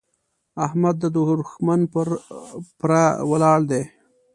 احمد د دوښمن پر پره ولاړ دی.